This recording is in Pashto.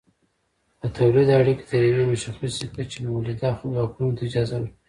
د تولید اړیکې تر یوې مشخصې کچې مؤلده ځواکونو ته اجازه ورکوي.